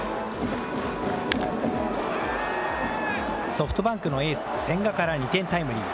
ソフトバンクのエース、千賀から２点タイムリー。